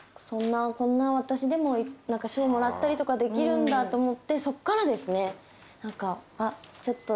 こんな私でも賞もらったりとかできるんだと思ってそこからですね。